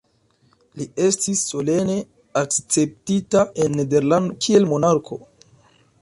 Li estis solene akceptita en Nederlando kiel monarko.